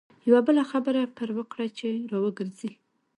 یوه بله خبره پر وکړه چې را وګرځي.